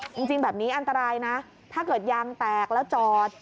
จริงแบบนี้อันตรายนะถ้าเกิดยางแตกแล้วจอด